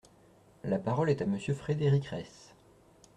La parole est à Monsieur Frédéric Reiss.